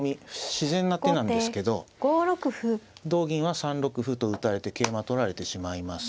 自然な手なんですけど同銀は３六歩と打たれて桂馬取られてしまいます。